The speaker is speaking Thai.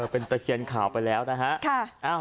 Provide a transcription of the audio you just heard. เป็นตะเคียนข่าวไปแล้วนะฮะ